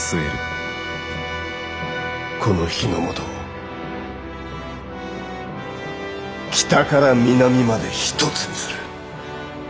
この日ノ本を北から南まで一つにする。